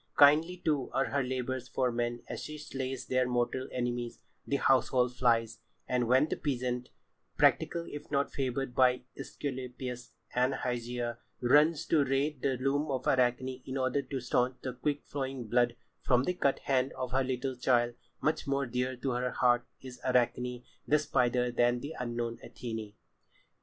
Kindly, too, are her labours for men as she slays their mortal enemies, the household flies, and when the peasant—practical, if not favoured by Æsculapius and Hygeia—runs to raid the loom of Arachne in order to staunch the quick flowing blood from the cut hand of her little child, much more dear to her heart is Arachne the spider than the unknown Athené.